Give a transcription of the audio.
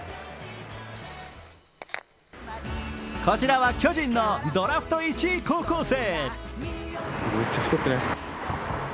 こちらは巨人のドラフト１位高校生。